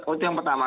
itu yang pertama